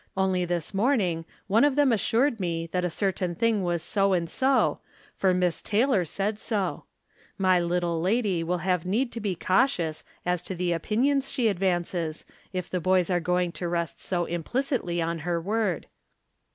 Only this morning one of them assured me that a cer tain thing was so and sq — ^for Miss Taylor said so. My little lady will have need to be cautious as to the opinions she advances, if the boys are going to rest so implicitly on her word.